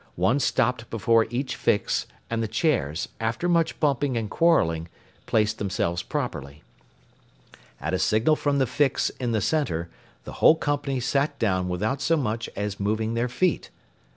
One stopped before each Fix, and the chairs, after much bumping and quarreling, placed themselves properly. At a signal from the Fix in the center, the whole company sat down without so much as moving their feet.